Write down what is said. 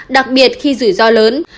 đặc biệt khi rủi ro lớn